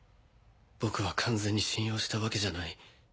僕は完全に信用したわけじゃない。